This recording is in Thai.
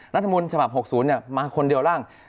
รัฐมนุนฉบับ๖๐เนี่ยมาคนเดียวร่าง